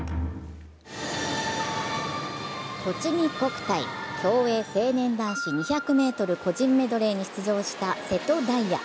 とちぎ国体、競泳成年男子２００ｍ個人メドレーに出場した瀬戸大也。